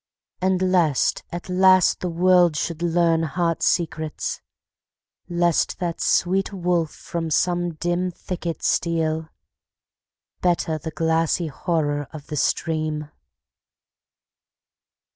And lest, at last, the world should learn heart secrets; Lest that sweet wolf from some dim thicket steal; Better the glassy horror of the stream.